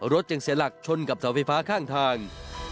จึงเสียหลักชนกับเสาไฟฟ้าข้างทาง